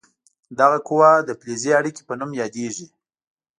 دغه قوه د فلزي اړیکې په نوم یادیږي.